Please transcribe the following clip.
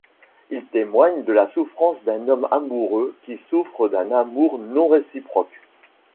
Il témoigne de la souffrance d'un homme amoureux qui souffre d'un amour non réciproque.